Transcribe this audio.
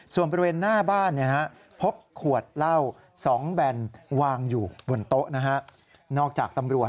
ส่วนบริเวณหน้าบ้านพบขวดเหล้า๒แบนวางอยู่บนโต๊ะนะฮะ